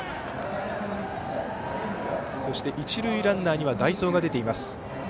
そして一塁ランナーには代走が出ています。